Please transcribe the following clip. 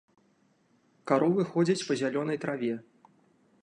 Каровы ходзяць па зялёнай траве.